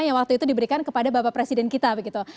yang waktu itu diberikan kepada bapak presiden kita begitu